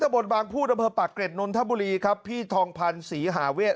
ตะบดบางผู้ทะเบอร์ปากเกร็ดนทบุรีครับพี่ทองพันธุ์ศรีหาเวช